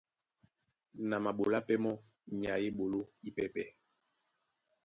Na ɓola pɛ́ mɔ́ nyay á ɓeɓoló ípɛ́pɛ̄.